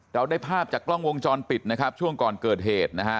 เราได้ภาพจากกล้องวงจรปิดนะครับช่วงก่อนเกิดเหตุนะฮะ